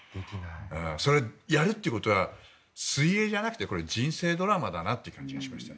それをやるということは水泳じゃなくて人生ドラマだなという感じがしました。